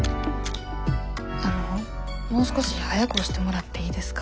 あのもう少し早く押してもらっていいですか？